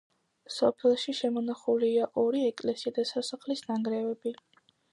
სოფელში შემონახულია ორი ეკლესია და სასახლის ნანგრევები.